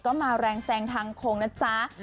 ก็มาแรงแซงทางโค้งนะจ๊ะ